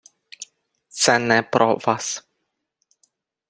Це не про Вас.